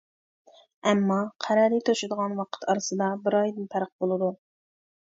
ئەمما، قەرەلى توشىدىغان ۋاقىت ئارىسىدا بىر ئايدىن پەرق بولىدۇ.